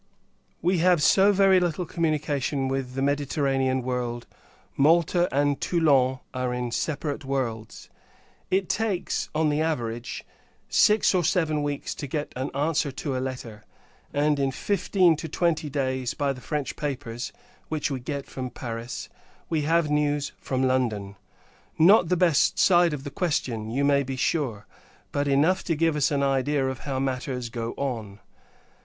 We have so very little communication with the Mediterranean world, Malta and Toulon are in separate worlds. It takes, on the [average,] six or seven weeks to get an answer to a letter: and, in fifteen to twenty days, by the French papers, which we get from Paris, we have news from London; not the best side of the question, you may be sure, but enough to give us an idea of how matters go on.